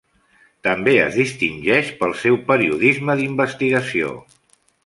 També es distingeix pel seu periodisme d"investigació.